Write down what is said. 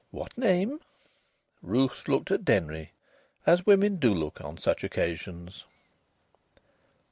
"What name?" Ruth looked at Denry, as women do look on such occasions.